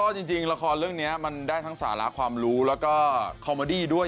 ซึ่งจริงรักรเรื่องนี้มันก็ได้ทางศาลาความรู้และก็คอมมอดี้ด้วย